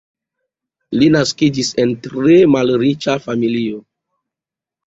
Li naskiĝis en tre malriĉa familio.